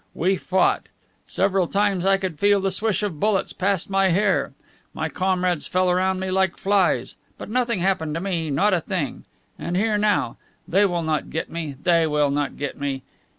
We fought. Several times I could feel the swish of bullets past my hair. My comrades fell around me like flies. But nothing happened to me, not a thing. And here now! They will not get me, they will not get me.